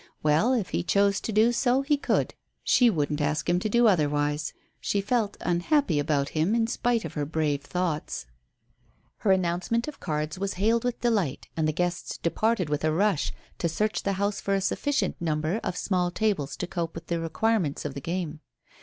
Well, if he chose to do so he could. She wouldn't ask him to do otherwise. She felt unhappy about him in spite of her brave thoughts. Her announcement of cards was hailed with delight, and the guests departed with a rush to search the house for a sufficient number of small tables to cope with the requirements of the game.